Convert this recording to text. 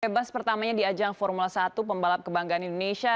bebas pertamanya di ajang formula satu pembalap kebanggaan indonesia